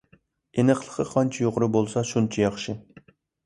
ئېنىقلىقى قانچە يۇقىرى بولسا شۇنچە ياخشى.